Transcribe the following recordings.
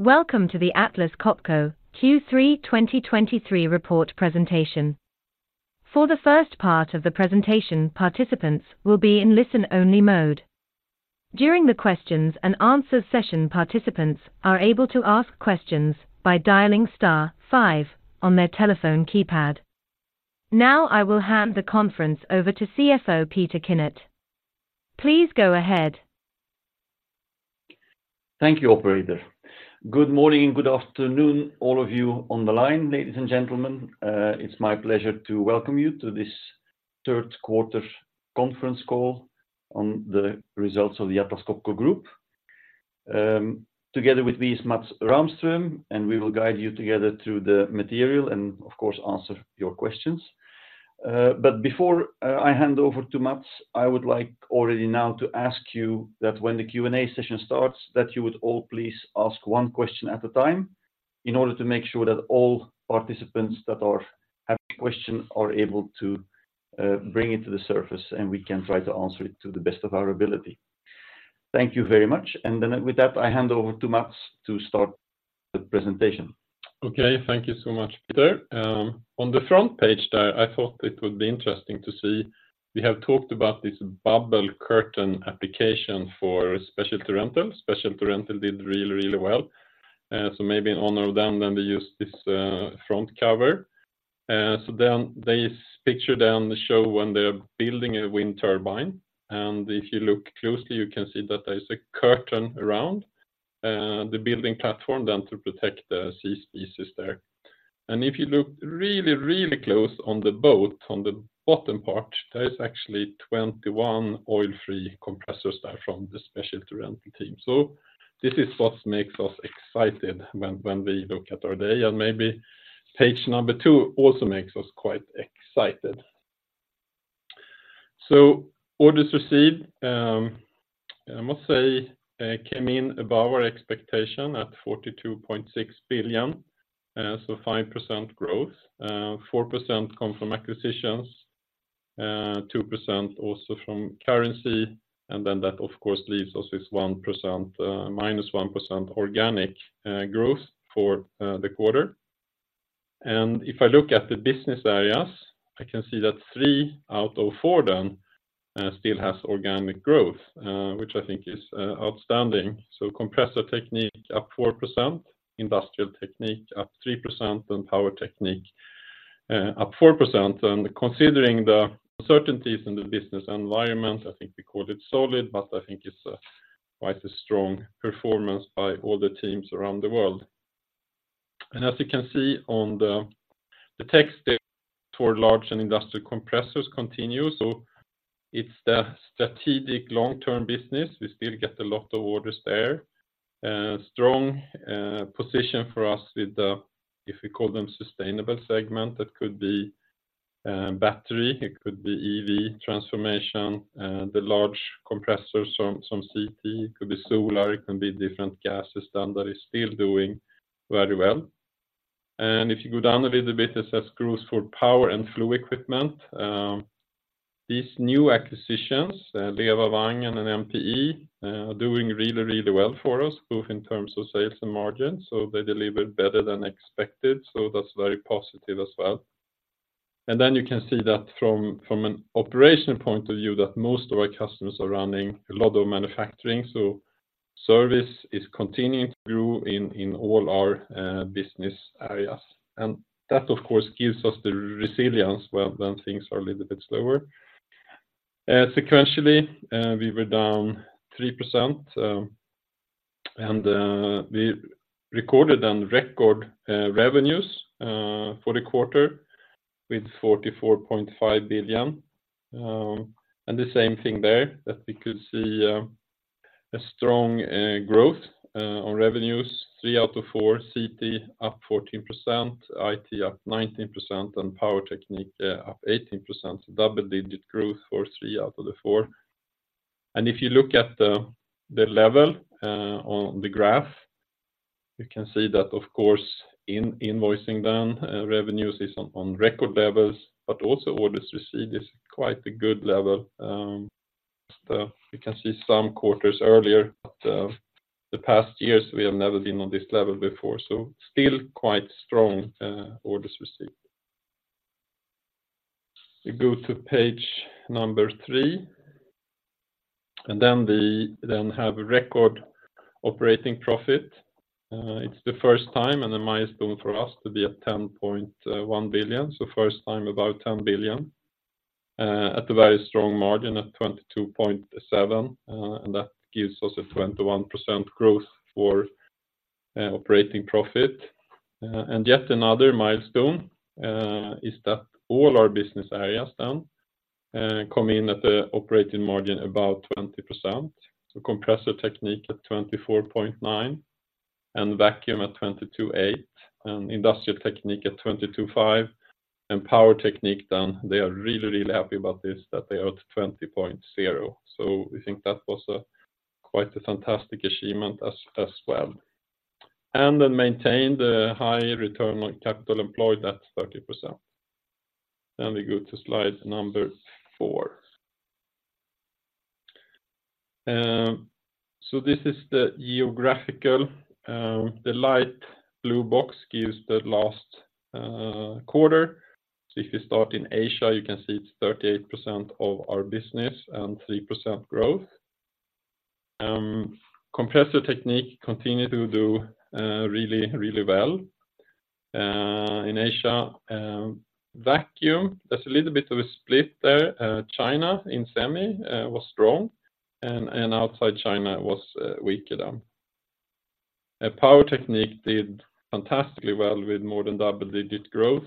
Welcome to the Atlas Copco Q3 2023 Report Presentation. For the first part of the presentation, participants will be in listen-only mode. During the questions and answers session, participants are able to ask questions by dialing star five on their telephone keypad. Now, I will hand the conference over to CFO Peter Kinnart. Please go ahead. Thank you, operator. Good morning and good afternoon, all of you on the line, ladies and gentlemen. It's my pleasure to welcome you to this Q3 conference call on the results of the Atlas Copco Group. Together with me is Mats Rahmström, and we will guide you together through the material and, of course, answer your questions. But before I hand over to Mats, I would like already now to ask you that when the Q&A session starts, that you would all please ask one question at a time in order to make sure that all participants that have questions are able to bring it to the surface, and we can try to answer it to the best of our ability. Thank you very much. And then with that, I hand over to Mats to start the presentation. Okay. Thank you so much, Peter. On the front page there, I thought it would be interesting to see. We have talked about this bubble curtain application for specialty rental. Specialty rental did really, really well. So maybe in honor of them, then we use this front cover. So then this picture down below shows when they're building a wind turbine, and if you look closely, you can see that there's a curtain around the building platform to protect the marine species there. And if you look really, really close on the boat, on the bottom part, there is actually 21 oil-free compressors there from the specialty rental team. So this is what makes us excited when we look at today, and maybe page number two also makes us quite excited. So orders received, I must say, came in above our expectation at 42.6 billion, so 5% growth. Four percent come from acquisitions, two percent also from currency, and then that, of course, leaves us with 1%, minus 1% organic growth for the quarter. And if I look at the business areas, I can see that 3 out of 4 then still has organic growth, which I think is outstanding. So Compressor Technique up 4%, Industrial Technique up 3%, and Power Technique up 4%. And considering the uncertainties in the business environment, I think we call it solid, but I think it's quite a strong performance by all the teams around the world. As you can see on the, the trend toward large and industrial compressors continues, so it's the strategic long-term business. We still get a lot of orders there. Strong position for us with the, if we call them sustainable segment, that could be battery, it could be EV transformation, the large compressors from CT, it could be solar, it can be different gases, then that is still doing very well. And if you go down a little bit, it says growth for power and flow equipment. These new acquisitions, LEWA, Wangen and MPE, doing really, really well for us, both in terms of sales and margin, so they deliver better than expected, so that's very positive as well. Then you can see that from an operational point of view, that most of our customers are running a lot of manufacturing, so service is continuing to grow in all our business areas. And that, of course, gives us the resilience, well, when things are a little bit slower. Sequentially, we were down 3%, and we recorded record revenues for the quarter with 44.5 billion. And the same thing there, that we could see a strong growth on revenues, three out of four, CT up 14%, IT up 19%, and Power Technique up 18%. Double-digit growth for three out of the four. If you look at the level on the graph, you can see that, of course, invoicing down, revenues is on record levels, but also orders received is quite a good level. You can see some quarters earlier, but the past years, we have never been on this level before, so still quite strong orders received. We go to page number 3, and then we have a record operating profit. It's the first time and a milestone for us to be at 10.1 billion, so first time about 10 billion, at a very strong margin of 22.7%, and that gives us a 21% growth for operating profit. And yet another milestone is that all our business areas then come in at the operating margin, about 20%. So Compressor Technique at 24.9, and Vacuum at 22.8, and Industrial Technique at 22.5, and Power Technique, then they are really, really happy about this, that they are at 20.0. So we think that was a quite fantastic achievement as well. And then maintain the high return on capital employed at 30%. Then we go to slide number 4. So this is the geographical, the light blue box gives the last quarter. So if you start in Asia, you can see it's 38% of our business and 3% growth. Compressor Technique continue to do really, really well in Asia. Vacuum, there's a little bit of a split there. China, in Semi, was strong, and outside China was weaker down. Power Technique did fantastically well with more than double-digit growth,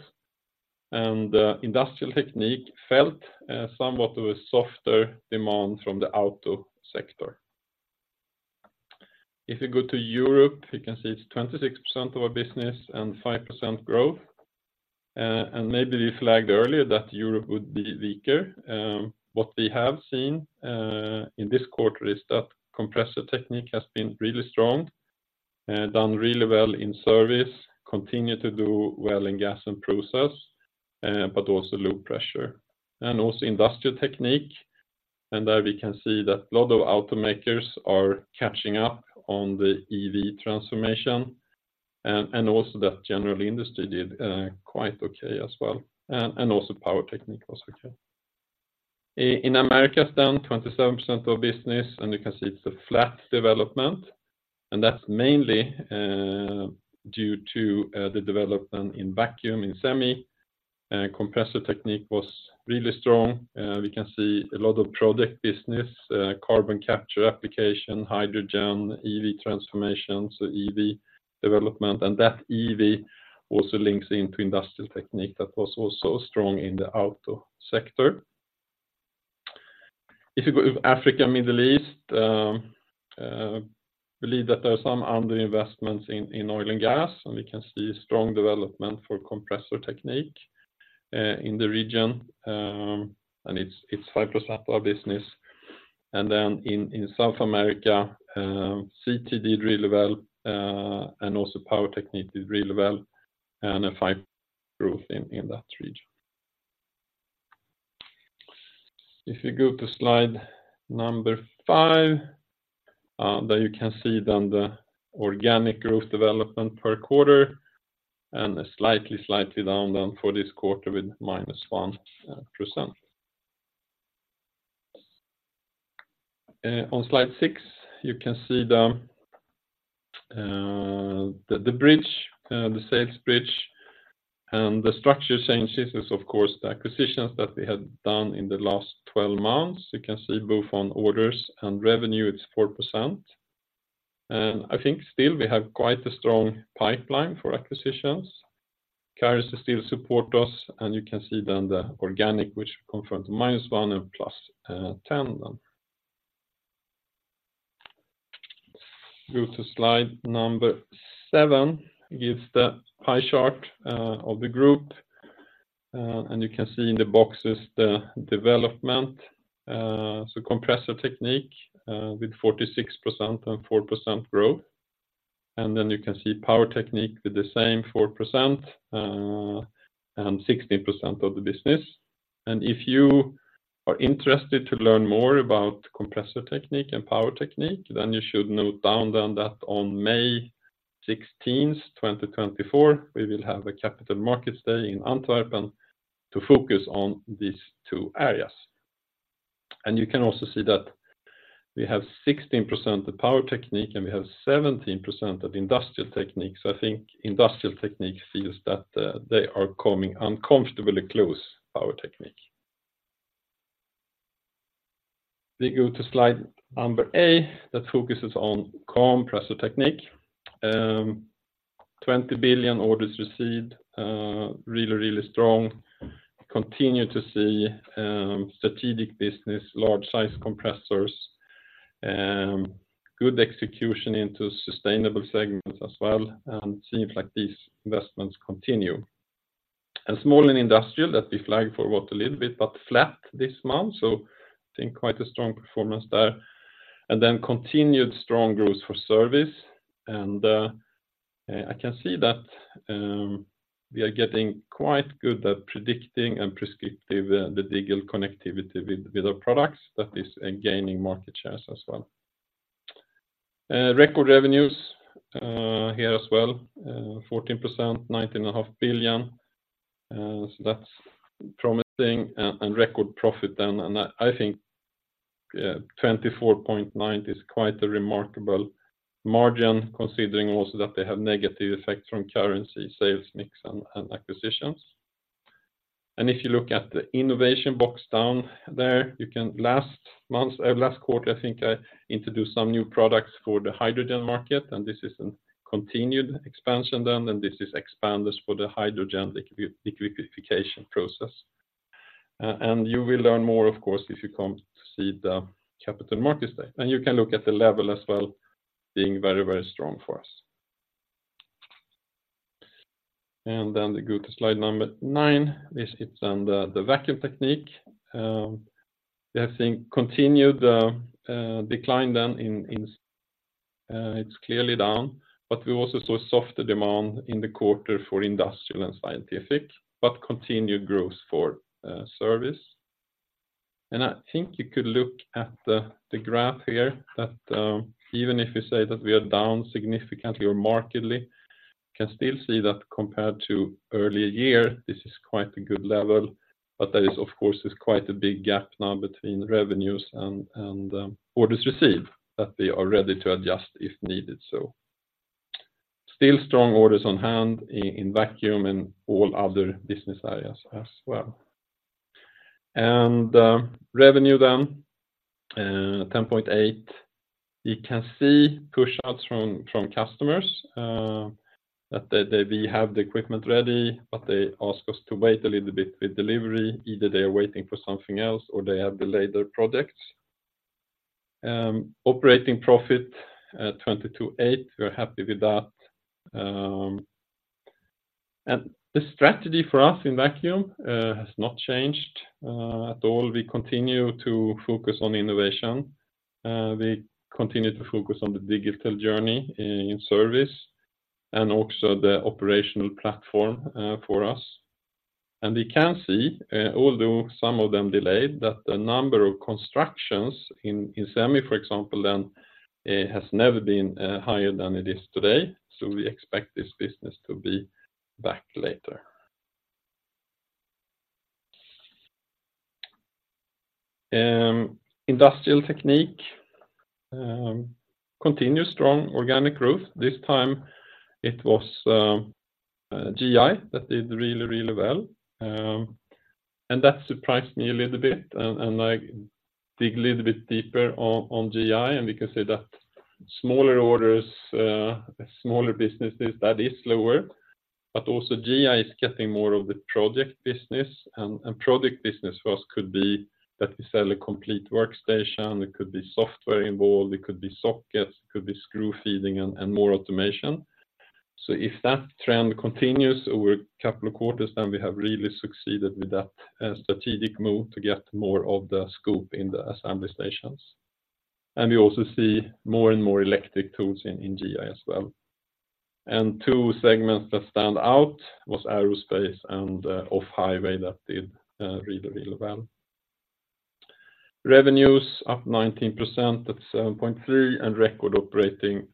and Industrial Technique felt somewhat of a softer demand from the auto sector. If you go to Europe, you can see it's 26% of our business and 5% growth. And maybe we flagged earlier that Europe would be weaker. What we have seen in this quarter is that Compressor Technique has been really strong, done really well in service, continue to do well in gas and process, but also low pressure, and also Industrial Technique. And there we can see that a lot of automakers are catching up on the EV transformation, and, and also that General Industry did quite okay as well, and, and also Power Technique was okay. In America, it's down 27% of business, and you can see it's a flat development, and that's mainly due to the development in Vacuum, in Semi. Compressor Technique was really strong. We can see a lot of project business, carbon capture application, hydrogen, EV transformation, so EV development, and that EV also links into Industrial Technique that was also strong in the auto sector. If you go to Africa, Middle East, believe that there are some under investments in oil and gas, and we can see strong development for Compressor Technique in the region, and it's 5% of our business. And then in South America, CT did really well, and also Power Technique did really well, and a 5% growth in that region. If you go to slide number 5, there you can see then the organic growth development per quarter, and slightly, slightly down than for this quarter, with -1%. On slide 6, you can see the bridge, the sales bridge, and the structure changes is, of course, the acquisitions that we had done in the last 12 months. You can see both on orders and revenue, it's 4%. And I think still we have quite a strong pipeline for acquisitions. Charis still support us, and you can see then the organic, which confirm -1% and +10% then. Go to slide number 7, gives the pie chart, of the group, and you can see in the boxes the development. So Compressor Technique, with 46% and 4% growth. And then you can see Power Technique with the same 4% and 16% of the business. And if you are interested to learn more about Compressor Technique and Power Technique, then you should note down then that on May 16, 2024, we will have a Capital Markets Day in Antwerp to focus on these two areas. And you can also see that we have 16% of Power Technique, and we have 17% of Industrial Technique. So I think Industrial Technique feels that they are coming uncomfortably close to Power Technique. We go to slide number 8, that focuses on Compressor Technique. 20 billion orders received, really, really strong. Continue to see strategic business, large-sized compressors, good execution into sustainable segments as well, and seems like these investments continue. Small and industrial, that we flagged for what, a little bit, but flat this month, so I think quite a strong performance there. Then continued strong growth for service, and I can see that we are getting quite good at predicting and prescriptive, the digital connectivity with our products. That is gaining market shares as well. Record revenues here as well, 14%, 19.5 billion. So that's promising, and record profit then, and I think, yeah, 24.9% is quite a remarkable margin, considering also that they have negative effects from currency, sales mix, and acquisitions. And if you look at the innovation box down there, you can... Last month, last quarter, I think I introduced some new products for the hydrogen market, and this is a continued expansion then, and this is expanders for the hydrogen liquefaction process. And you will learn more, of course, if you come to see the Capital Markets Day. And you can look at the level as well, being very, very strong for us. And then we go to slide number 9. This is on the Vacuum Technique. We have seen continued decline then in. It's clearly down, but we also saw a softer demand in the quarter for industrial and scientific, but continued growth for service. I think you could look at the graph here, that even if you say that we are down significantly or markedly, you can still see that compared to earlier year, this is quite a good level, but that is, of course, quite a big gap now between revenues and orders received, that we are ready to adjust if needed. So still strong orders on hand in Vacuum and all other business areas as well. And revenue then, 10.8, you can see pushouts from customers, that we have the equipment ready, but they ask us to wait a little bit with delivery. Either they are waiting for something else or they have delayed their products. Operating profit, 228, we are happy with that. The strategy for us in Vacuum has not changed at all. We continue to focus on innovation, we continue to focus on the digital journey in service and also the operational platform for us. And we can see, although some of them delayed, that the number of constructions in Semi, for example, then, has never been higher than it is today, so we expect this business to be back later. Industrial Technique continue strong organic growth. This time, it was GI that did really, really well. That surprised me a little bit, and I dig a little bit deeper on GI, and we can say that smaller orders, smaller businesses, that is lower, but also GI is getting more of the project business. Project business first could be that we sell a complete workstation, it could be software involved, it could be sockets, it could be screw feeding and more automation. If that trend continues over a couple of quarters, then we have really succeeded with that strategic move to get more of the scope in the assembly stations. We also see more and more electric tools in GI as well. Two segments that stand out were aerospace and off highway that did really, really well. Revenues up 19%, that's 7.3, and record operating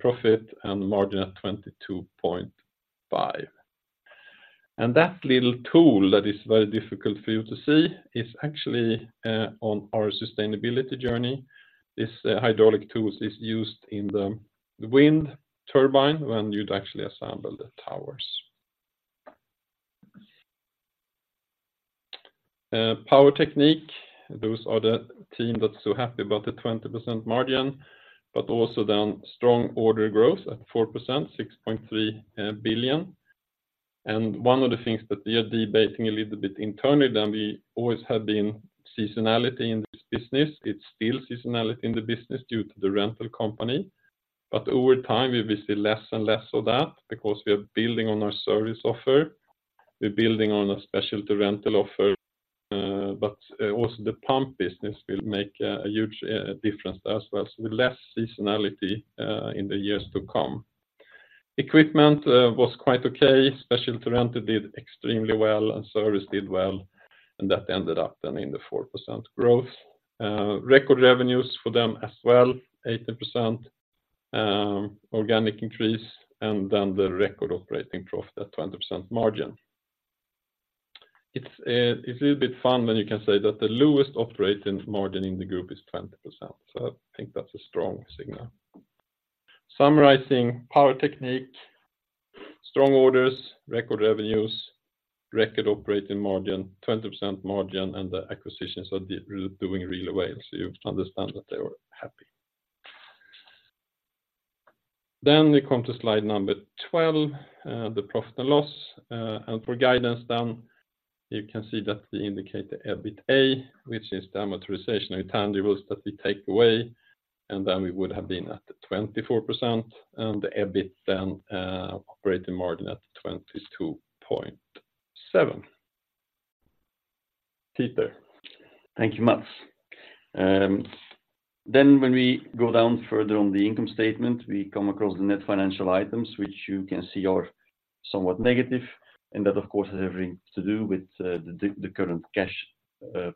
profit and margin at 22.5%. That little tool that is very difficult for you to see is actually on our sustainability journey. This hydraulic tool is used in the wind turbine when you'd actually assemble the towers. Power Technique, those are the team that's so happy about the 20% margin, but also down strong order growth at 4%, 6.3 billion. One of the things that we are debating a little bit internally than we always have been, seasonality in this business. It's still seasonality in the business due to the rental company, but over time, we will see less and less of that because we are building on our service offer. We're building on a specialty rental offer, but also the pump business will make a huge difference as well, so with less seasonality in the years to come. Equipment was quite okay. Specialty rental did extremely well and service did well, and that ended up then in the 4% growth. Record revenues for them as well, 80%, organic increase, and then the record operating profit at 20% margin. It's, it's a little bit fun when you can say that the lowest operating margin in the group is 20%, so I think that's a strong signal. Summarizing Power Technique, strong orders, record revenues, record operating margin, 20% margin, and the acquisitions are really doing really well, so you understand that they were happy. Then we come to slide number 12, the profit and loss. And for guidance then, you can see that we indicate the EBITA, which is the amortization and intangibles that we take away, and then we would have been at 24%, and the EBIT then, operating margin at 22.7. Peter? Thank you, Mats. Then when we go down further on the income statement, we come across the net financial items, which you can see are somewhat negative, and that, of course, has everything to do with the current cash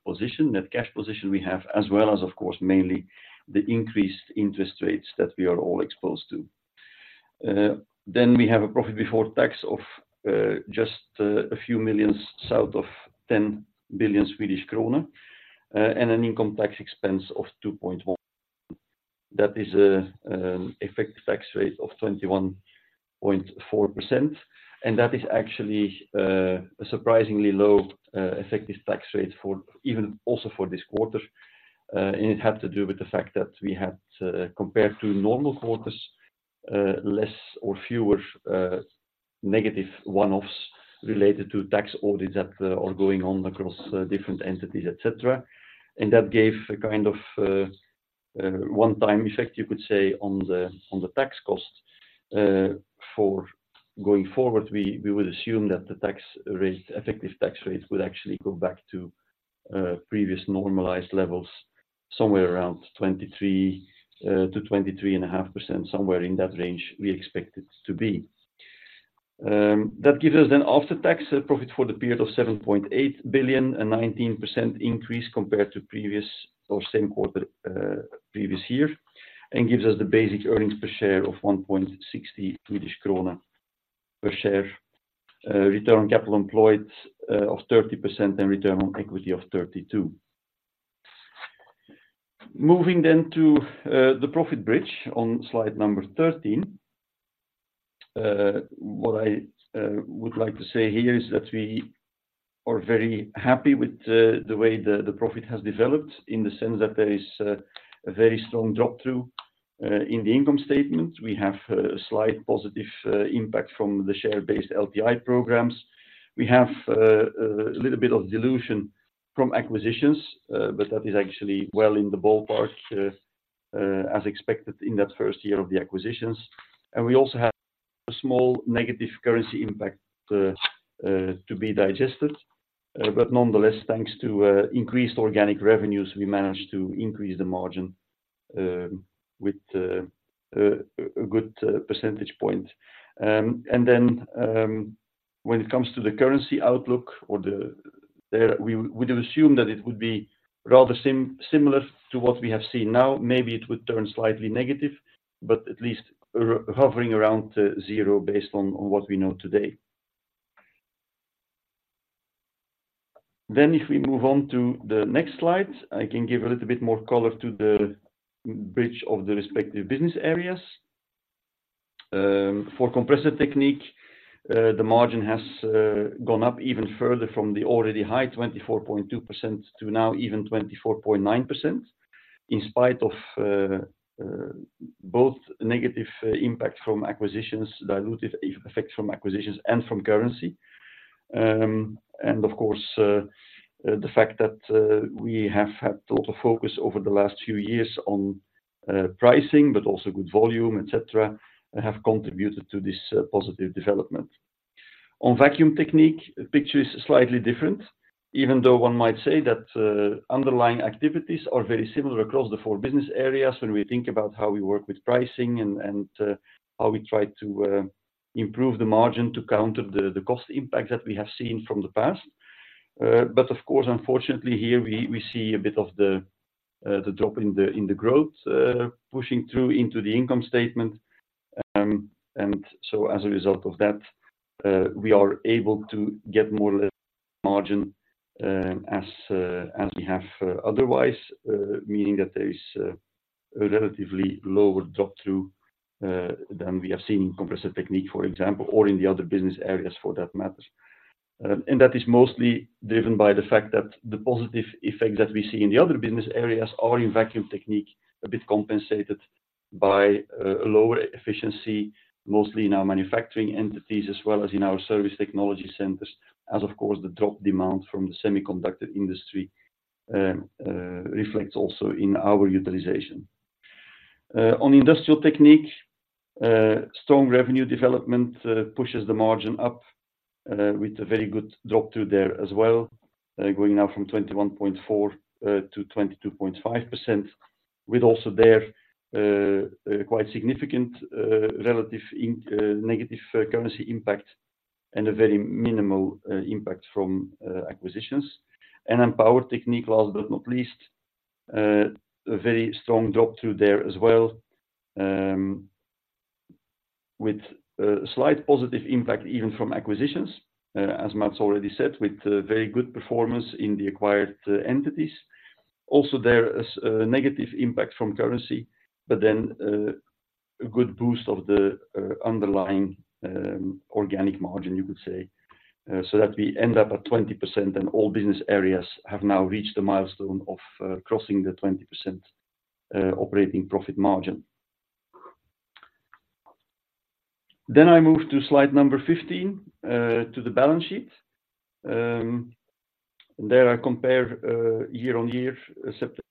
position, net cash position we have, as well as, of course, mainly the increased interest rates that we are all exposed to. Then we have a profit before tax of just a few million SEK south of 10 billion Swedish kronor, and an income tax expense of 2.1 billion. That is a effective tax rate of 21.4%, and that is actually a surprisingly low effective tax rate for even also for this quarter. It had to do with the fact that we had, compared to normal quarters, less or fewer negative one-offs related to tax audits that are going on across different entities, etc. That gave a kind of one-time effect, you could say, on the tax cost. For going forward, we would assume that the tax rate, effective tax rate, will actually go back to previous normalized levels, somewhere around 23%-23.5%. Somewhere in that range, we expect it to be. That gives us then after-tax profit for the period of 7.8 billion, a 19% increase compared to previous or same quarter, previous year, and gives us the basic earnings per share of 1.60 Swedish krona per share. Return on capital employed of 30% and return on equity of 32. Moving then to the profit bridge on slide number 13. What I would like to say here is that we are very happy with the way the profit has developed, in the sense that there is a very strong drop through in the income statement. We have a slight positive impact from the share-based LTI programs. We have a little bit of dilution from acquisitions, but that is actually well in the ballpark as expected in that first year of the acquisitions. And we also have a small negative currency impact to be digested. But nonetheless, thanks to increased organic revenues, we managed to increase the margin with a good percentage point. When it comes to the currency outlook or the... there, we would assume that it would be rather similar to what we have seen now. Maybe it would turn slightly negative, but at least hovering around zero, based on what we know today. Then if we move on to the next slide, I can give a little bit more color to the bridge of the respective business areas. For Compressor Technique, the margin has gone up even further from the already high 24.2% to now even 24.9%, in spite of both negative impact from acquisitions, dilutive effects from acquisitions and from currency. And of course, the fact that we have had a lot of focus over the last few years on pricing, but also good volume, et cetera, have contributed to this positive development. On Vacuum Technique, the picture is slightly different, even though one might say that underlying activities are very similar across the four business areas when we think about how we work with pricing and how we try to improve the margin to counter the cost impact that we have seen from the past. But of course, unfortunately, here we see a bit of the drop in the growth pushing through into the income statement. And so as a result of that, we are able to get more or less margin, as as we have otherwise, meaning that there is a relatively lower drop through than we have seen in Compressor Technique, for example, or in the other business areas for that matter. And that is mostly driven by the fact that the positive effect that we see in the other business areas are in Vacuum Technique, a bit compensated by a lower efficiency, mostly in our manufacturing entities, as well as in our service technology centers, as of course, the drop demand from the semiconductor industry reflects also in our utilization. On industrial technique, strong revenue development pushes the margin up with a very good drop through there as well, going now from 21.4 to 22.5%, with also there quite significant relatively negative currency impact and a very minimal impact from acquisitions. And then power technique, last but not least, a very strong drop through there as well, with a slight positive impact, even from acquisitions, as Mats already said, with a very good performance in the acquired entities. Also, there is a negative impact from currency, but then a good boost of the underlying organic margin, you could say. So that we end up at 20%, and all business areas have now reached the milestone of crossing the 20% operating profit margin. Then I move to slide number 15 to the balance sheet. There I compare year-on-year, September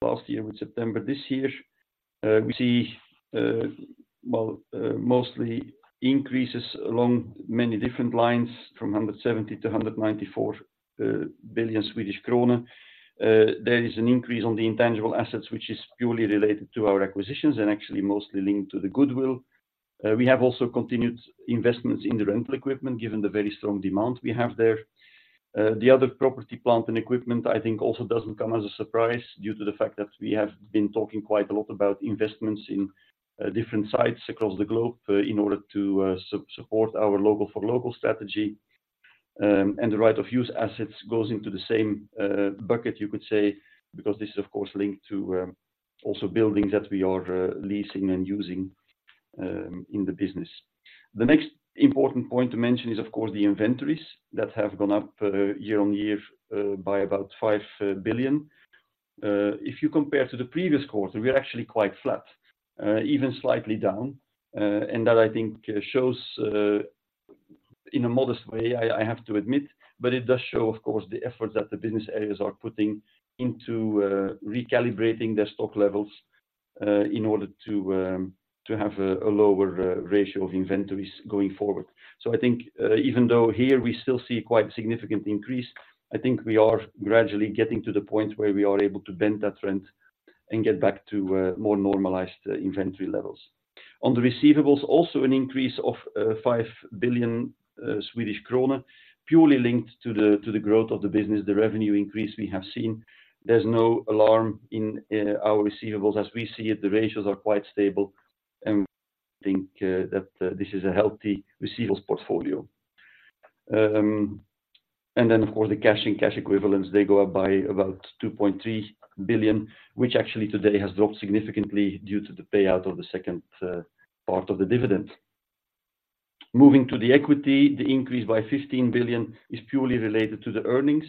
last year with September this year. We see well mostly increases along many different lines from 170 billion Swedish krona to 194 billion Swedish krona. There is an increase on the intangible assets, which is purely related to our acquisitions and actually mostly linked to the goodwill. We have also continued investments in the rental equipment, given the very strong demand we have there. The other property, plant, and equipment, I think, also doesn't come as a surprise due to the fact that we have been talking quite a lot about investments in different sites across the globe in order to support our local-for-local strategy. And the right-of-use assets goes into the same bucket, you could say, because this is, of course, linked to also buildings that we are leasing and using in the business. The next important point to mention is, of course, the inventories that have gone up year-on-year by about 5 billion. If you compare to the previous quarter, we are actually quite flat, even slightly down. And that, I think, shows... In a modest way, I, I have to admit, but it does show, of course, the effort that the business areas are putting into recalibrating their stock levels in order to to have a, a lower ratio of inventories going forward. So I think, even though here we still see quite a significant increase, I think we are gradually getting to the point where we are able to bend that trend and get back to more normalized inventory levels. On the receivables, also an increase of 5 billion Swedish krona, purely linked to the to the growth of the business, the revenue increase we have seen. There's no alarm in our receivables. As we see it, the ratios are quite stable, and we think that this is a healthy receivables portfolio. And then, of course, the cash and cash equivalents, they go up by about 2.3 billion, which actually today has dropped significantly due to the payout of the second part of the dividend. Moving to the equity, the increase by 15 billion is purely related to the earnings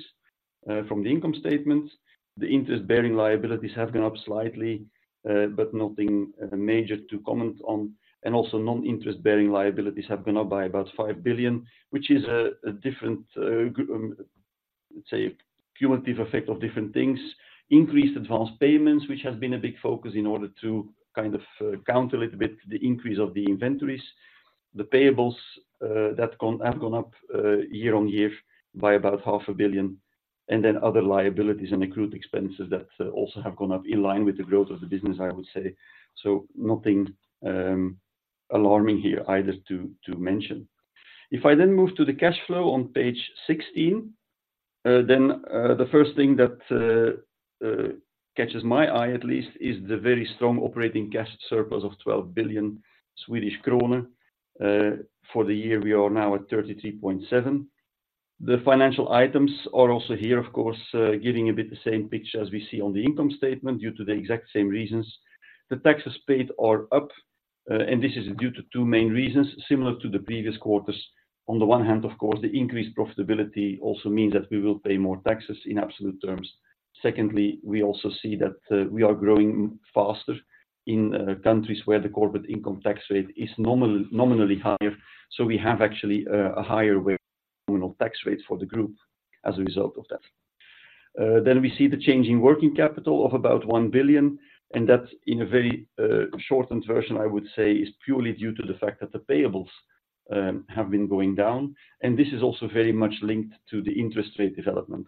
from the income statement. The interest-bearing liabilities have gone up slightly, but nothing major to comment on, and also, non-interest-bearing liabilities have gone up by about 5 billion, which is a different, let's say, cumulative effect of different things. Increased advanced payments, which has been a big focus in order to kind of counter a little bit the increase of the inventories. The payables that have gone up year on year by about 500 million, and then other liabilities and accrued expenses that also have gone up in line with the growth of the business, I would say. So nothing alarming here either to mention. If I then move to the cash flow on page 16, then the first thing that catches my eye at least is the very strong operating cash surplus of 12 billion Swedish krona. For the year, we are now at 33.7 billion SEK. The financial items are also here, of course, giving a bit the same picture as we see on the income statement due to the exact same reasons. The taxes paid are up and this is due to two main reasons, similar to the previous quarters. On the one hand, of course, the increased profitability also means that we will pay more taxes in absolute terms. Secondly, we also see that we are growing faster in countries where the corporate income tax rate is normally higher, so we have actually a higher weighted nominal tax rate for the group as a result of that. Then we see the change in working capital of about 1 billion, and that's in a very shortened version, I would say, is purely due to the fact that the payables have been going down, and this is also very much linked to the interest rate development.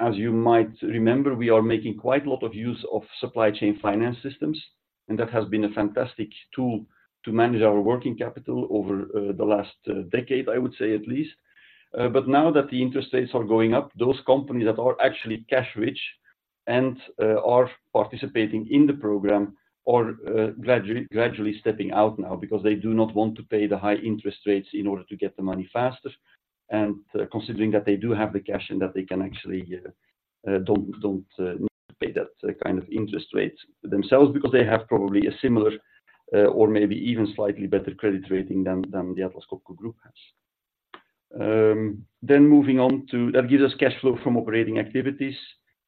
As you might remember, we are making quite a lot of use of supply chain finance systems, and that has been a fantastic tool to manage our working capital over the last decade, I would say at least. But now that the interest rates are going up, those companies that are actually cash rich and are participating in the program are gradually stepping out now because they do not want to pay the high interest rates in order to get the money faster. And considering that they do have the cash and that they can actually don't pay that kind of interest rate themselves, because they have probably a similar or maybe even slightly better credit rating than the Atlas Copco Group has. Then moving on to... That gives us cash flow from operating activities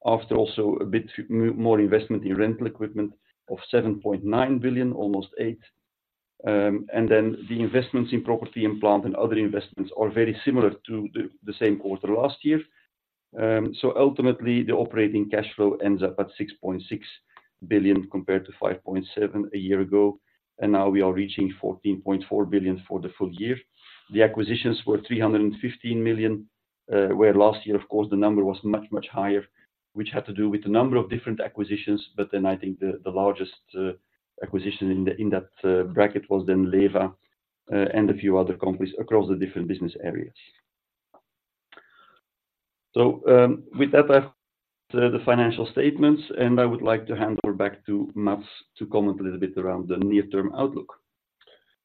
after also a bit more investment in rental equipment of 7.9 billion, almost 8 billion. And then the investments in property and plant and other investments are very similar to the same quarter last year. So ultimately, the operating cash flow ends up at 6.6 billion compared to 5.7 billion a year ago, and now we are reaching 14.4 billion for the full year. The acquisitions were 315 million, where last year, of course, the number was much, much higher, which had to do with a number of different acquisitions, but then I think the largest acquisition in that bracket was LEWA, and a few other companies across the different business areas. With that, I have the financial statements, and I would like to hand over back to Mats to comment a little bit around the near term outlook.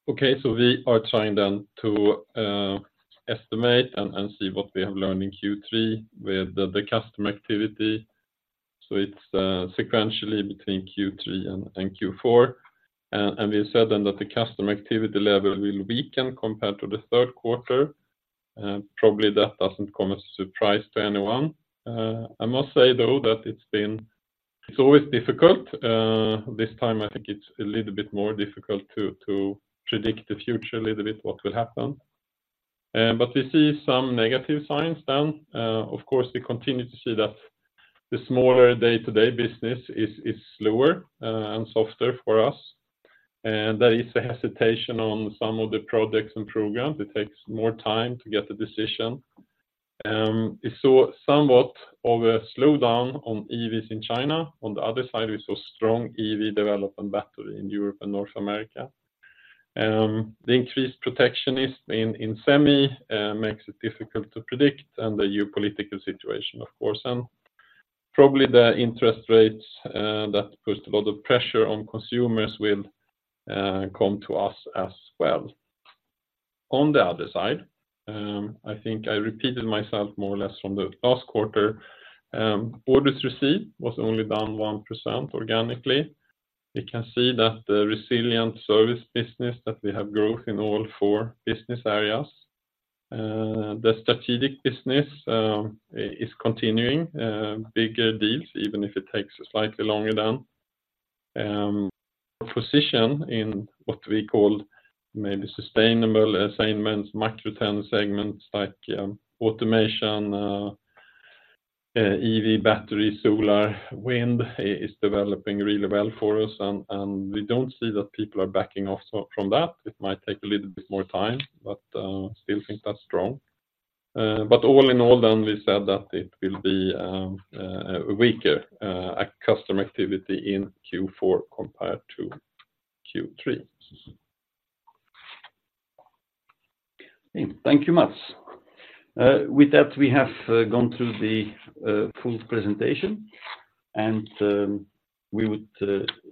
Okay. So we are trying then to estimate and see what we have learned in Q3 with the customer activity. So it's sequentially between Q3 and Q4. And we have said then that the customer activity level will weaken compared to the Q3. Probably that doesn't come as a surprise to anyone. I must say, though, that it's been. It's always difficult. This time, I think it's a little bit more difficult to predict the future a little bit, what will happen. But we see some negative signs then. Of course, we continue to see that the smaller day-to-day business is slower and softer for us, and there is a hesitation on some of the projects and programs. It takes more time to get a decision. We saw somewhat of a slowdown on EVs in China. On the other side, we saw strong EV development battery in Europe and North America. The increased protectionist in semi makes it difficult to predict and the geopolitical situation, of course, and probably the interest rates that puts a lot of pressure on consumers will come to us as well. On the other side, I think I repeated myself more or less from the last quarter, orders received was only down 1% organically. We can see that the resilient service business, that we have growth in all four business areas. The strategic business is continuing bigger deals, even if it takes slightly longer than-... a position in what we call maybe sustainable assignments, macro ten segments like automation, EV, battery, solar, wind, is developing really well for us, and we don't see that people are backing off from that. It might take a little bit more time, but still think that's strong. But all in all, then we said that it will be weaker at customer activity in Q4 compared to Q3. Thank you, Mats. With that, we have gone through the full presentation, and we would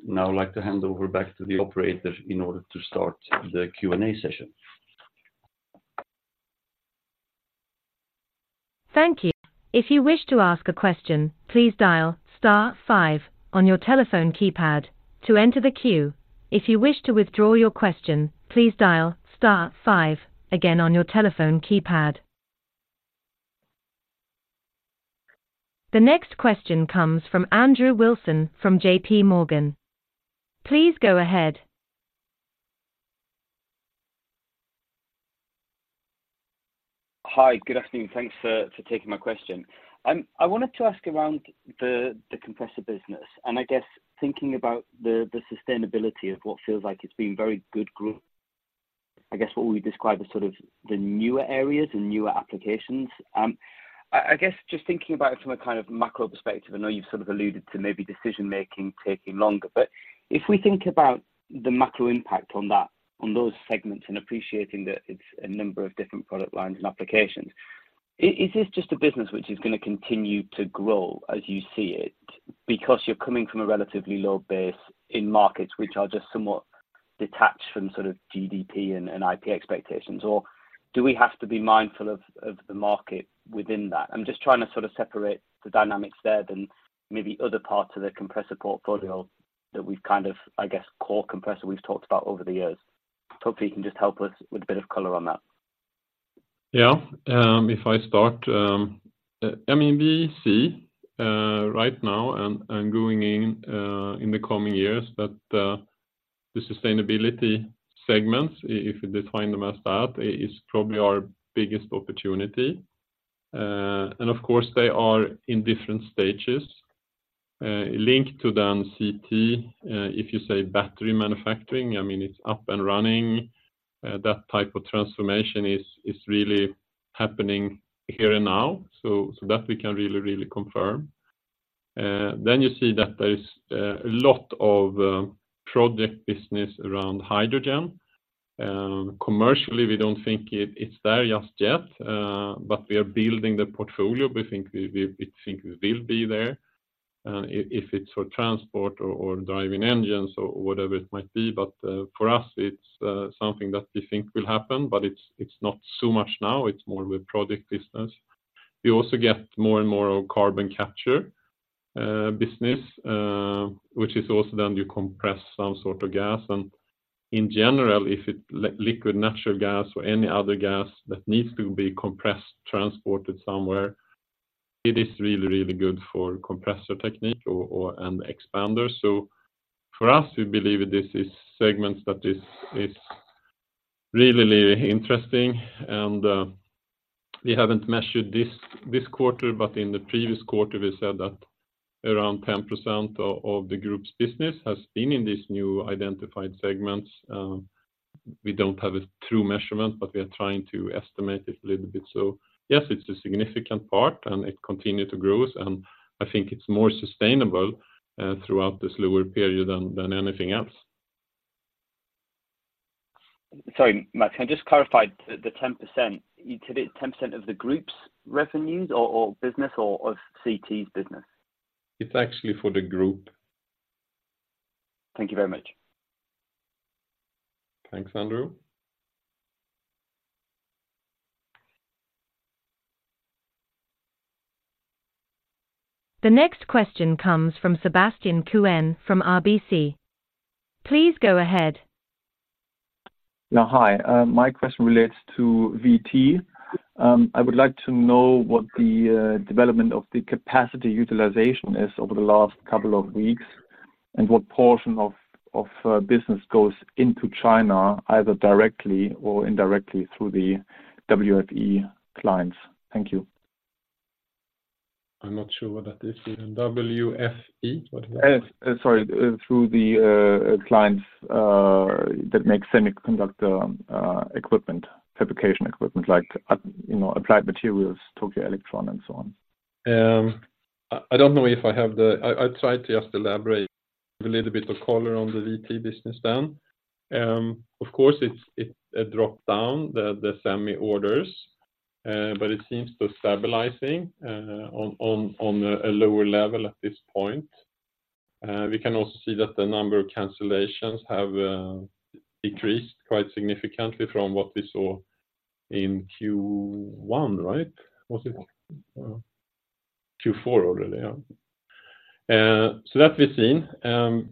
now like to hand over back to the operator in order to start the Q&A session. Thank you. If you wish to ask a question, please dial star five on your telephone keypad to enter the queue. If you wish to withdraw your question, please dial star five again on your telephone keypad. The next question comes from Andrew Wilson from JP Morgan. Please go ahead. Hi, good afternoon, thanks for taking my question. I wanted to ask around the compressor business, and I guess thinking about the sustainability of what feels like it's been very good growth. I guess what we describe as sort of the newer areas and newer applications. I guess just thinking about it from a kind of macro perspective, I know you've sort of alluded to maybe decision-making taking longer, but if we think about the macro impact on that, on those segments, and appreciating that it's a number of different product lines and applications, is this just a business which is gonna continue to grow as you see it? Because you're coming from a relatively low base in markets which are just somewhat detached from sort of GDP and IP expectations, or do we have to be mindful of the market within that? I'm just trying to sort of separate the dynamics there, than maybe other parts of the compressor portfolio that we've kind of, I guess, core compressor we've talked about over the years. Hopefully, you can just help us with a bit of color on that. Yeah, if I start, I mean, we see right now and going in in the coming years, that the sustainability segments, if you define them as that, is probably our biggest opportunity. And of course, they are in different stages, linked to the NCT, if you say battery manufacturing, I mean, it's up and running. That type of transformation is really happening here and now, so that we can really confirm. Then you see that there is a lot of project business around hydrogen. Commercially, we don't think it's there just yet, but we are building the portfolio. We think we will be there, if it's for transport or driving engines or whatever it might be, but for us, it's something that we think will happen, but it's not so much now, it's more with project business. We also get more and more of carbon capture business, which is also then you compress some sort of gas, and in general, if it liquid natural gas or any other gas that needs to be compressed, transported somewhere, it is really, really good for compressor technique or and expander. So for us, we believe this is segments that is really, really interesting, and we haven't measured this quarter, but in the previous quarter, we said that around 10% of the group's business has been in these new identified segments. We don't have a true measurement, but we are trying to estimate it a little bit. So yes, it's a significant part, and it continue to grow, and I think it's more sustainable throughout this lower period than anything else. Sorry, Mats, can I just clarify the ten percent? Is it 10% of the group's revenues or business or of CT's business? It's actually for the group. Thank you very much. Thanks, Andrew. The next question comes from Sebastian Cohen from RBC. Please go ahead. Yeah, hi. My question relates to VT. I would like to know what the development of the capacity utilization is over the last couple of weeks, and what portion of business goes into China, either directly or indirectly through the WFE clients. Thank you. I'm not sure what that is. WFE? What is that? Yes, sorry. Through the clients that make semiconductor equipment, fabrication equipment, like, you know, Applied Materials, Tokyo Electron, and so on. I don't know if I have. I tried to just elaborate a little bit of color on the VT business then. Of course, it's a drop down the semi orders, but it seems to stabilizing on a lower level at this point. We can also see that the number of cancellations have decreased quite significantly from what we saw in Q1, right? Was it- Yeah. Q4 already, yeah. So that we've seen.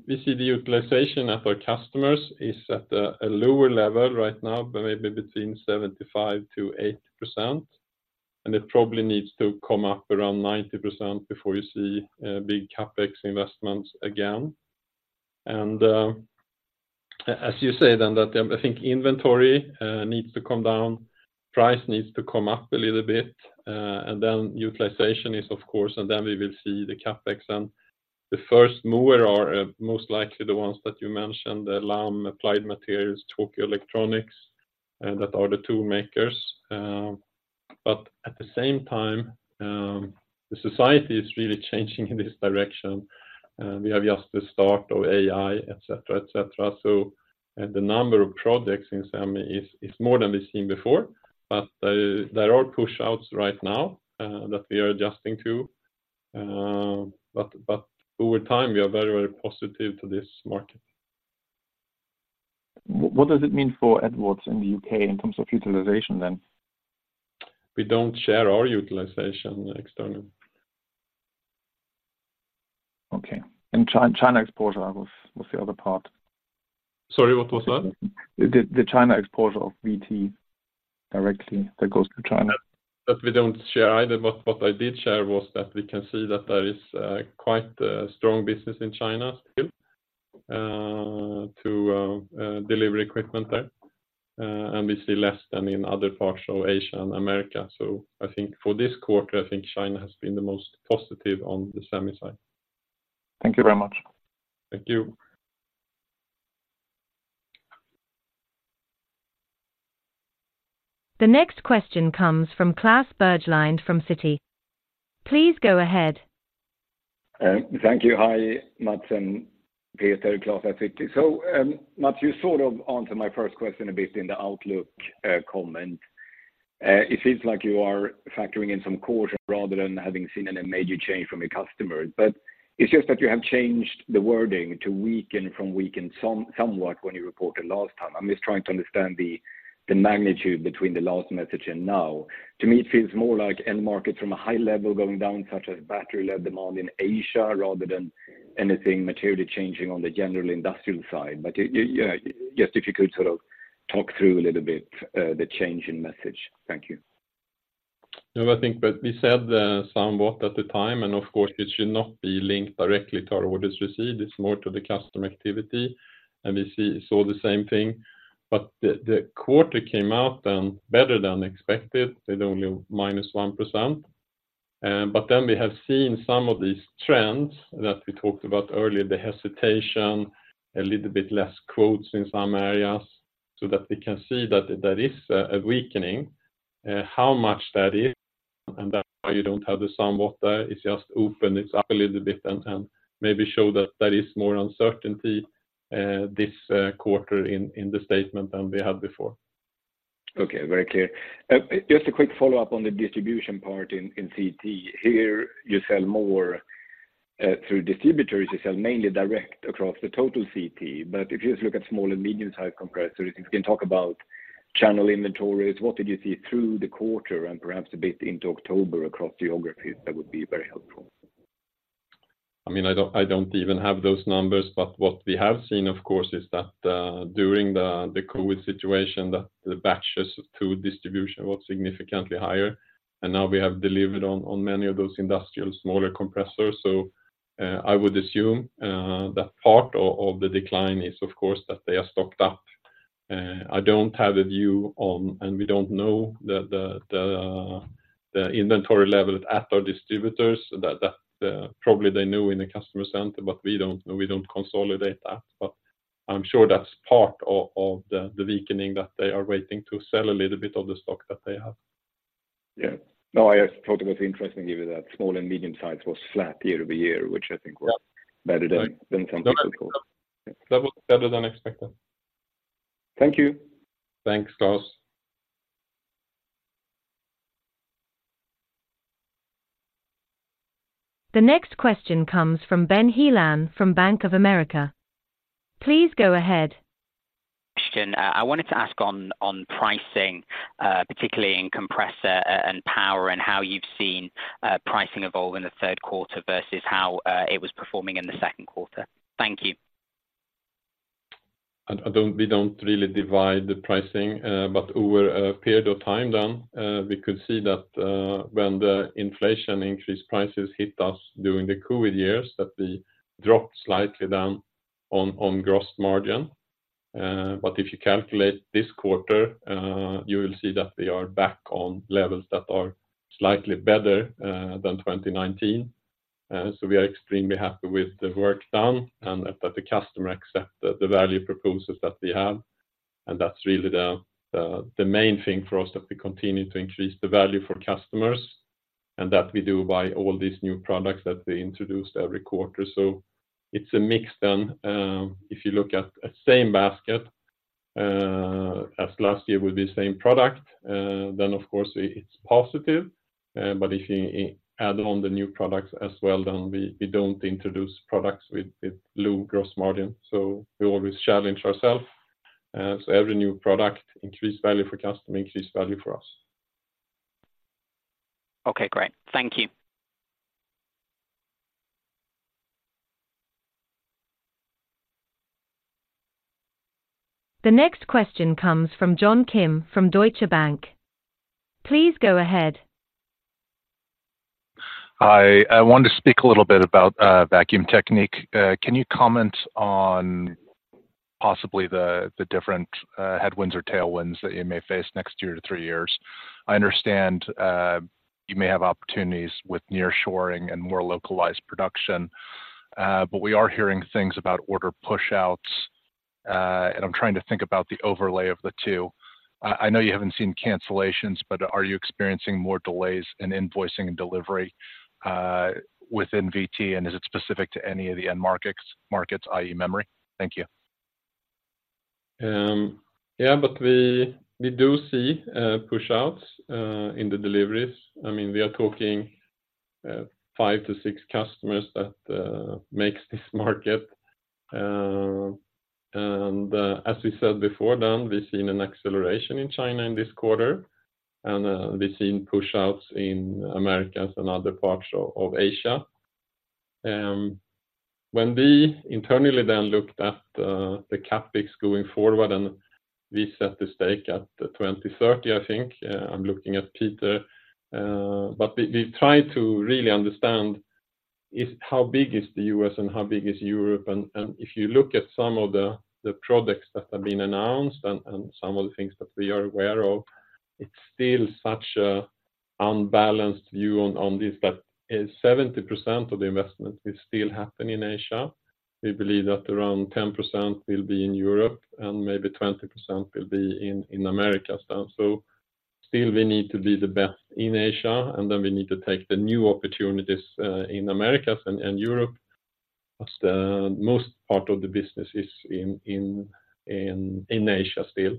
We see the utilization at our customers is at a lower level right now, but maybe between 75%-80%... and it probably needs to come up around 90% before you see big CapEx investments again. As you say, then that, I think inventory needs to come down, price needs to come up a little bit, and then utilization is, of course, and then we will see the CapEx. And the first mover are most likely the ones that you mentioned, the Lam, Applied Materials, Tokyo Electron, and that are the tool makers. But at the same time, the society is really changing in this direction, and we have just the start of AI, et cetera, et cetera. So, the number of projects in semi is more than we've seen before, but there are push outs right now that we are adjusting to. But over time, we are very, very positive to this market. What does it mean for Edwards in the U.K. in terms of utilization, then? We don't share our utilization externally. Okay. And China exposure was the other part. Sorry, what was that? The China exposure of VT directly that goes to China. That we don't share either, but what I did share was that we can see that there is quite a strong business in China still to deliver equipment there. And we see less than in other parts of Asia and America. So I think for this quarter, I think China has been the most positive on the semi side. Thank you very much. Thank you. The next question comes from Claes Berglund from Citi. Please go ahead. Thank you. Hi, Mats and Peter, Claes at Citi. So, Mats, you sort of answered my first question a bit in the outlook comment. It seems like you are factoring in some caution rather than having seen any major change from your customers. But it's just that you have changed the wording to weaken from weaken somewhat when you reported last time. I'm just trying to understand the magnitude between the last message and now. To me, it feels more like end market from a high level going down, such as battery lead demand in Asia, rather than anything materially changing on the general industrial side. But, yeah, just if you could sort of talk through a little bit, the change in message. Thank you. No, I think, but we said somewhat at the time, and of course, it should not be linked directly to our orders received. It's more to the customer activity, and we see, saw the same thing. But the quarter came out better than expected, with only -1%. But then we have seen some of these trends that we talked about earlier, the hesitation, a little bit less quotes in some areas, so that we can see that there is a weakening. How much that is, and that's why you don't have the somewhat there. It's just open, it's up a little bit, and maybe show that there is more uncertainty this quarter in the statement than we had before. Okay, very clear. Just a quick follow-up on the distribution part in CT. Here, you sell more through distributors. You sell mainly direct across the total CT, but if you just look at small and medium-type compressors, if you can talk about channel inventories, what did you see through the quarter and perhaps a bit into October across geographies, that would be very helpful. I mean, I don't even have those numbers, but what we have seen, of course, is that during the COVID situation, the batches to distribution was significantly higher, and now we have delivered on many of those industrial smaller compressors. So, I would assume that part of the decline is, of course, that they are stocked up. I don't have a view on, and we don't know the inventory level at our distributors. That probably they know in the customer center, but we don't know, we don't consolidate that. But I'm sure that's part of the weakening, that they are waiting to sell a little bit of the stock that they have. Yeah. No, I just thought it was interesting, given that small and medium size was flat year-over-year, which I think was better than some people thought. That was better than expected. Thank you. Thanks, Claes. The next question comes from Ben Heelan from Bank of America. Please go ahead.... I wanted to ask on pricing, particularly in compressor and power, and how you've seen pricing evolve in the Q3 versus how it was performing in the Q2. Thank you. We don't really divide the pricing, but over a period of time then, we could see that, when the inflation increased, prices hit us during the COVID years, that we dropped slightly down on gross margin. But if you calculate this quarter, you will see that we are back on levels that are slightly better than 2019. So we are extremely happy with the work done and that the customer accept the value proposals that we have, and that's really the main thing for us, that we continue to increase the value for customers, and that we do by all these new products that we introduce every quarter. So it's a mix then. If you look at a same basket as last year with the same product, then, of course, it's positive. But if you add on the new products as well, then we, we don't introduce products with, with low gross margin, so we always challenge ourself. So every new product increase value for customer, increase value for us. Okay, great. Thank you.... The next question comes from John Kim from Deutsche Bank. Please go ahead. Hi. I wanted to speak a little bit about Vacuum Technique. Can you comment on possibly the different headwinds or tailwinds that you may face next year to three years? I understand you may have opportunities with nearshoring and more localized production, but we are hearing things about order pushouts, and I'm trying to think about the overlay of the two. I know you haven't seen cancellations, but are you experiencing more delays in invoicing and delivery within VT, and is it specific to any of the end markets, i.e., memory? Thank you. Yeah, but we, we do see pushouts in the deliveries. I mean, we are talking 5-6 customers that makes this market. And, as we said before, then we've seen an acceleration in China in this quarter, and we've seen pushouts in Americas and other parts of Asia. When we internally then looked at the CapEx going forward, and we set the stake at 2030, I think, I'm looking at Peter. But we, we try to really understand is how big is the US and how big is Europe? If you look at some of the products that have been announced and some of the things that we are aware of, it's still such a unbalanced view on this, but 70% of the investment will still happen in Asia. We believe that around 10% will be in Europe, and maybe 20% will be in Americas. And so still we need to be the best in Asia, and then we need to take the new opportunities in Americas and Europe, as the most part of the business is in Asia still.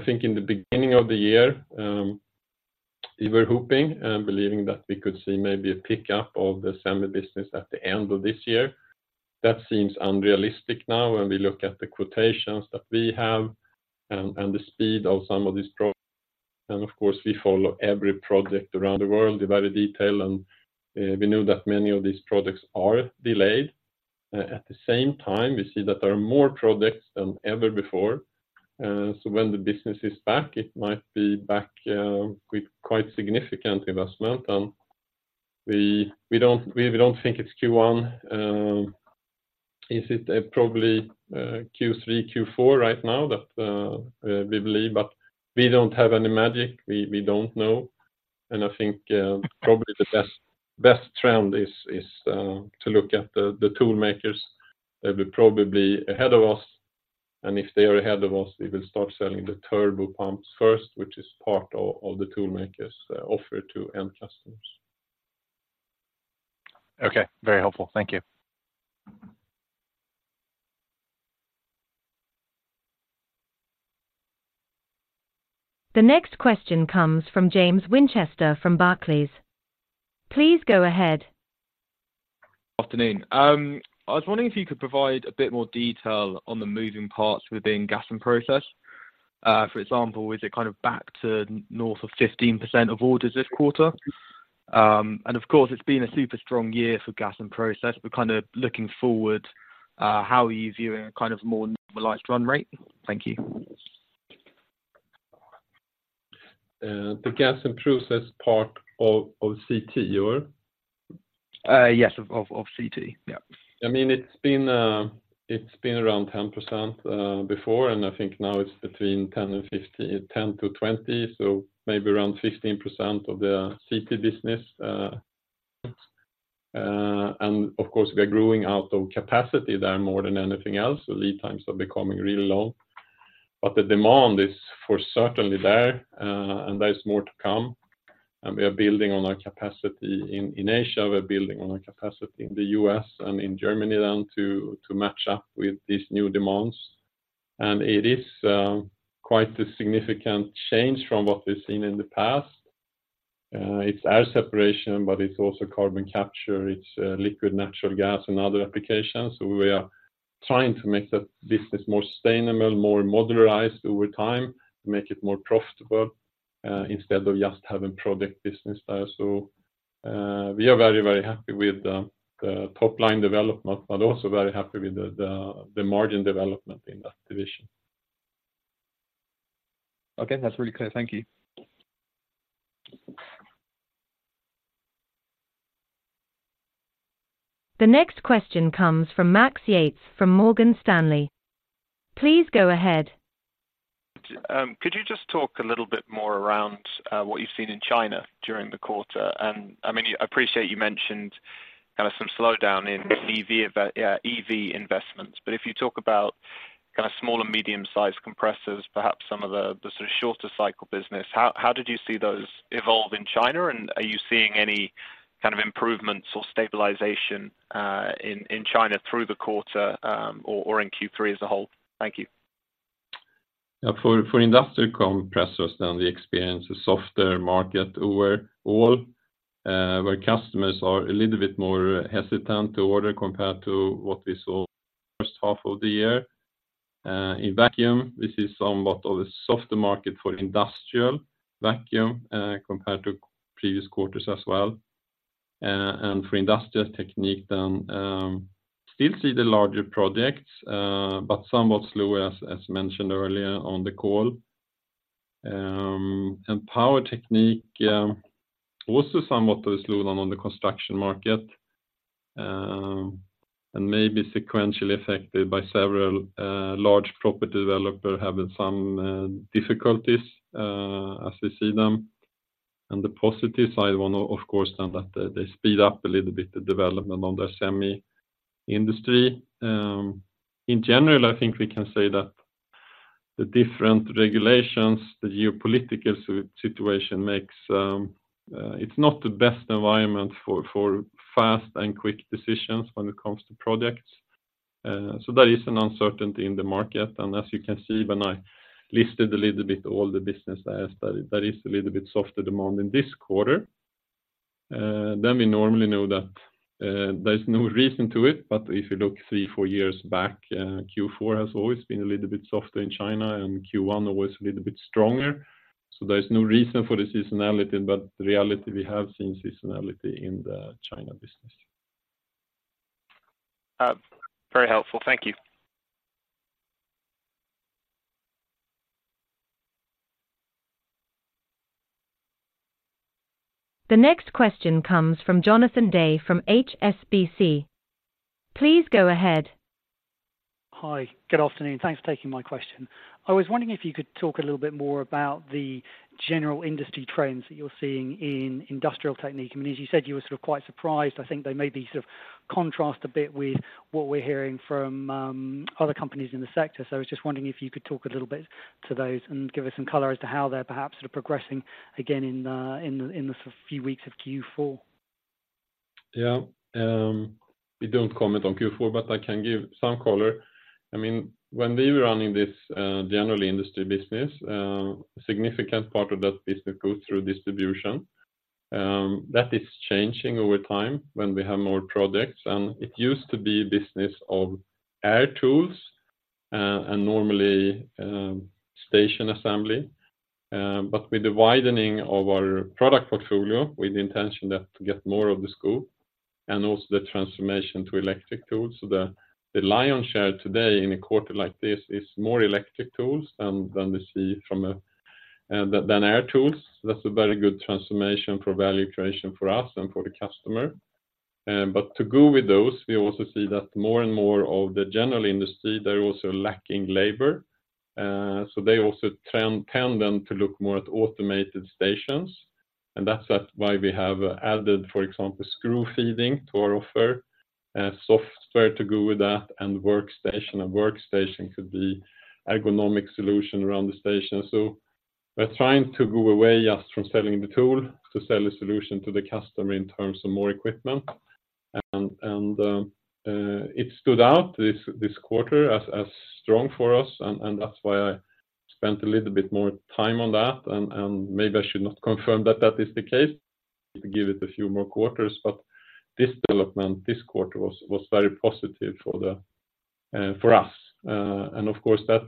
I think in the beginning of the year, we were hoping and believing that we could see maybe a pickup of the semi business at the end of this year. That seems unrealistic now when we look at the quotations that we have and the speed of some of these projects, and of course, we follow every project around the world in very detail, and we know that many of these projects are delayed. At the same time, we see that there are more projects than ever before, so when the business is back, it might be back with quite significant investment. And we don't think it's Q1. Is it probably Q3, Q4 right now that we believe, but we don't have any magic. We don't know, and I think probably the best trend is to look at the tool makers. They'll be probably ahead of us, and if they are ahead of us, we will start selling the turbo pumps first, which is part of the tool makers' offer to end customers. Okay, very helpful. Thank you. The next question comes from James Winchester from Barclays. Please go ahead. Afternoon. I was wondering if you could provide a bit more detail on the moving parts within gas and process. For example, is it kind of back to north of 15% of orders this quarter? And of course, it's been a super strong year for gas and process. We're kind of looking forward, how are you viewing a kind of more normalized run rate? Thank you. the gas and process part of CT, you're? Yes, of CT. Yeah. I mean, it's been around 10%, before, and I think now it's between 10% and 15%... 10%-20%, so maybe around 15% of the CT business, and of course, we are growing out of capacity there more than anything else. The lead times are becoming really long, but the demand is certainly there, and there is more to come, and we are building on our capacity in Asia. We're building on our capacity in the U.S. and in Germany then to match up with these new demands. And it is quite a significant change from what we've seen in the past. It's air separation, but it's also carbon capture. It's liquid natural gas and other applications. So we are trying to make the business more sustainable, more modularized over time, make it more profitable, instead of just having product business there. So, we are very, very happy with the top-line development, but also very happy with the margin development in that division. Okay. That's really clear. Thank you. The next question comes from Max Yates, from Morgan Stanley. Please go ahead. Could you just talk a little bit more around what you've seen in China during the quarter? And I mean, I appreciate you mentioned kind of some slowdown in EV invest-- yeah, EV investments, but if you talk about kind of small and medium-sized compressors, perhaps some of the sort of shorter cycle business, how did you see those evolve in China? And are you seeing any kind of improvements or stabilization in China through the quarter, or in Q3 as a whole? Thank you. Yeah, for industrial compressors, then we experience a softer market overall, where customers are a little bit more hesitant to order compared to what we saw H1 of the year. In vacuum, we see somewhat of a softer market for industrial vacuum, compared to previous quarters as well. And for industrial technique, then, still see the larger projects, but somewhat slow, as mentioned earlier on the call. And power technique, also somewhat slow down on the construction market, and maybe sequentially affected by several large property developer having some difficulties, as we see them. And the positive side, one, of course, now that they speed up a little bit, the development on their semi industry. In general, I think we can say that the different regulations, the geopolitical situation makes, it's not the best environment for fast and quick decisions when it comes to projects. So there is an uncertainty in the market, and as you can see, when I listed a little bit all the business there, that is a little bit softer demand in this quarter. Then we normally know that, there's no reason to it, but if you look three, four years back, Q4 has always been a little bit softer in China, and Q1 always a little bit stronger. So there's no reason for the seasonality, but the reality, we have seen seasonality in the China business. Very helpful. Thank you. The next question comes from Jonathan Day from HSBC. Please go ahead. Hi. Good afternoon. Thanks for taking my question. I was wondering if you could talk a little bit more about the general industry trends that you're seeing in Industrial Technique. I mean, as you said, you were sort of quite surprised. I think they may be sort of contrast a bit with what we're hearing from other companies in the sector. So I was just wondering if you could talk a little bit to those and give us some color as to how they're perhaps sort of progressing again in the few weeks of Q4. Yeah. We don't comment on Q4, but I can give some color. I mean, when we were running this general industry business, a significant part of that business goes through distribution. That is changing over time when we have more products, and it used to be business of air tools and normally station assembly. But with the widening of our product portfolio, with the intention that to get more of the scope and also the transformation to electric tools, so the lion's share today in a quarter like this is more electric tools than we see from air tools. That's a very good transformation for value creation for us and for the customer. But to go with those, we also see that more and more of the general industry, they're also lacking labor, so they also tend to look more at automated stations, and that's why we have added, for example, screw feeding to our offer, software to go with that, and workstation. A workstation could be economic solution around the station. So we're trying to go away just from selling the tool, to sell a solution to the customer in terms of more equipment. And it stood out this quarter as strong for us, and that's why I spent a little bit more time on that, and maybe I should not confirm that that is the case, to give it a few more quarters, but this development this quarter was very positive for us. And of course, that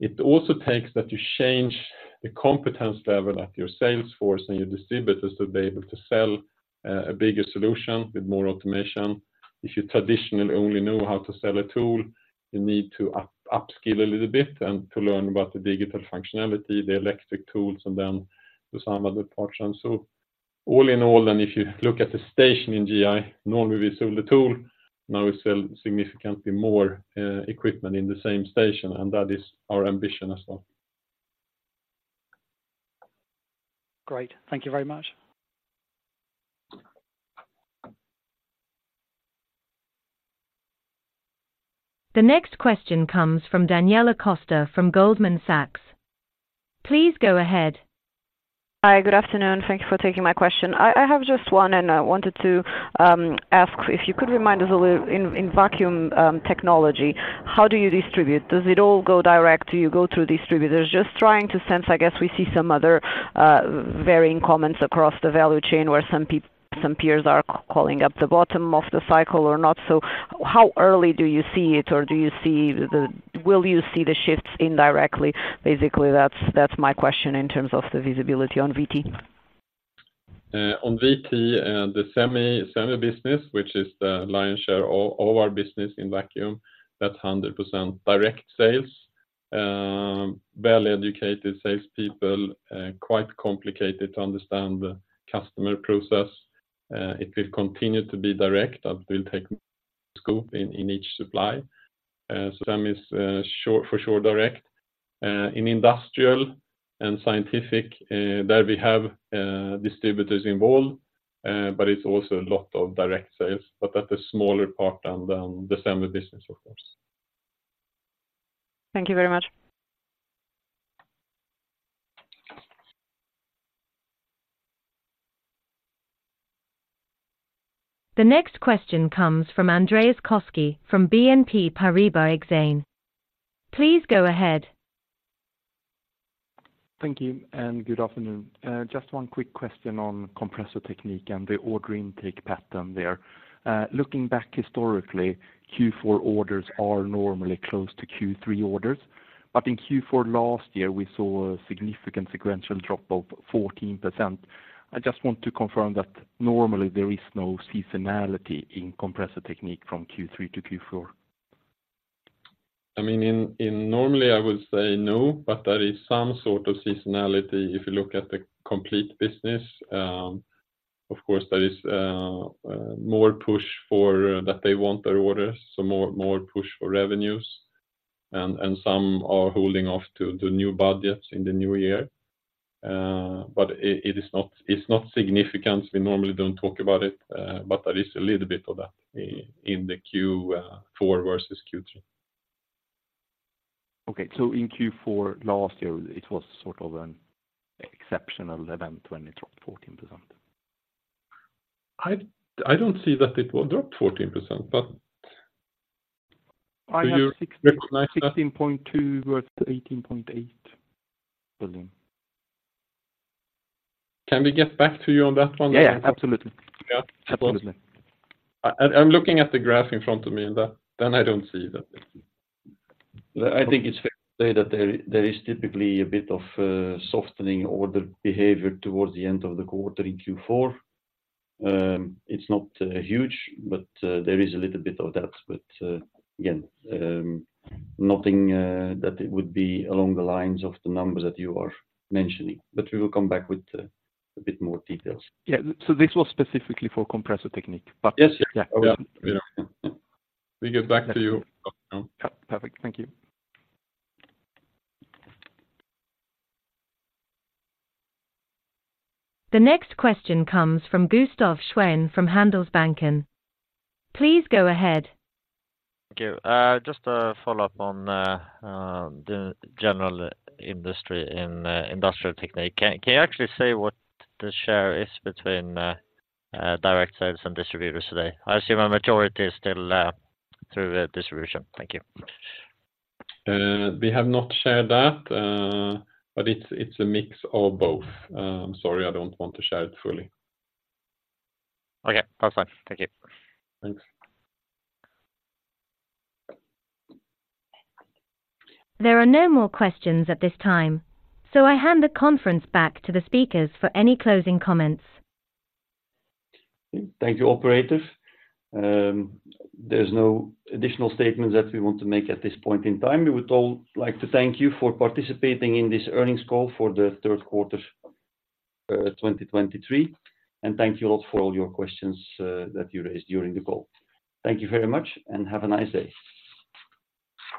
it also takes that you change the competence level at your sales force and your distributors to be able to sell a bigger solution with more automation. If you traditionally only know how to sell a tool, you need to upskill a little bit and to learn about the digital functionality, the electric tools, and then to some other parts. And so all in all, then, if you look at the station in GI, normally we sell the tool, now we sell significantly more equipment in the same station, and that is our ambition as well. Great. Thank you very much. The next question comes from Daniela Costa from Goldman Sachs. Please go ahead. Hi, good afternoon. Thank you for taking my question. I have just one, and I wanted to ask if you could remind us a little, in vacuum technology, how do you distribute? Does it all go direct, or you go through distributors? Just trying to sense, I guess we see some other varying comments across the value chain, where some peers are calling up the bottom of the cycle or not. So how early do you see it, or do you see the... Will you see the shifts indirectly? Basically, that's my question in terms of the visibility on VT. On VT, the semi business, which is the lion's share of all our business in vacuum, that's 100% direct sales. Well-educated salespeople, quite complicated to understand the customer process. It will continue to be direct, that will take scope in each supply. So that is sure, for sure, direct. In industrial and scientific, there we have distributors involved, but it's also a lot of direct sales, but that's a smaller part than the semi business, of course. Thank you very much. The next question comes from Andreas Koski from BNP Paribas Exane. Please go ahead. Thank you, and good afternoon. Just one quick question on Compressor Technique and the order intake pattern there. Looking back historically, Q4 orders are normally close to Q3 orders, but in Q4 last year, we saw a significant sequential drop of 14%. I just want to confirm that normally there is no seasonality in Compressor Technique from Q3 to Q4? I mean, normally I would say no, but there is some sort of seasonality if you look at the complete business. Of course, there is more push for that they want their orders, so more push for revenues, and some are holding off to the new budgets in the new year. But it is not, it's not significant. We normally don't talk about it, but there is a little bit of that in the Q4 versus Q3. Okay. So in Q4 last year, it was sort of an exceptional event when it dropped 14%? I don't see that it will drop 14%, but do you recognize that? I have 16.2 versus 18.8 volume. Can we get back to you on that one? Yeah, absolutely. Yeah. Absolutely. I'm looking at the graph in front of me, but then I don't see that. I think it's fair to say that there is typically a bit of softening order behavior towards the end of the quarter in Q4. It's not huge, but there is a little bit of that. But again, nothing that it would be along the lines of the numbers that you are mentioning, but we will come back with a bit more details. Yeah. So this was specifically for Compressor Technique, but- Yes, yeah. Yeah. We get back to you. Perfect. Thank you. The next question comes from Gustav Schwenn from Handelsbanken. Please go ahead. Thank you. Just a follow-up on the general industry in Industrial Technique. Can you actually say what the share is between direct sales and distributors today? I assume a majority is still through the distribution. Thank you. We have not shared that, but it's a mix of both. I'm sorry, I don't want to share it fully. Okay, that's fine. Thank you. Thanks. There are no more questions at this time, so I hand the conference back to the speakers for any closing comments. Thank you, operator. There's no additional statements that we want to make at this point in time. We would all like to thank you for participating in this earnings call for the Q3, 2023, and thank you a lot for all your questions, that you raised during the call. Thank you very much, and have a nice day.